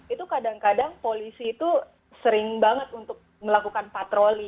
itu kadang kadang polisi itu sering banget untuk melakukan patroli